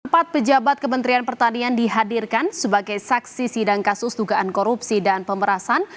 empat pejabat kementerian pertanian dihadirkan sebagai saksi sidang kasus dugaan korupsi dan pemerasan